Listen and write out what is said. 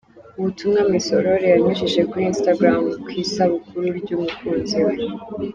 Ubutumwa Miss Aurore yanyujije kuri Instagram ku isabukuru y'umukunzi we.